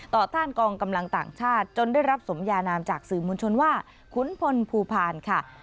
ต้านกองกำลังต่างชาติจนได้รับสมยานามจากสื่อมวลชนว่าขุนพลภูพาลค่ะ